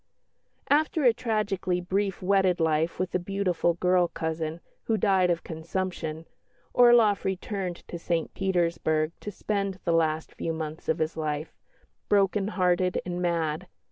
After a tragically brief wedded life with a beautiful girl cousin, who died of consumption, Orloff returned to St Petersburg to spend the last few months of his life, "broken hearted and mad."